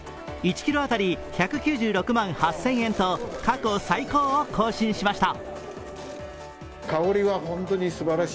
１ｋｇ当たり１９６万８０００円と過去最高を更新しました。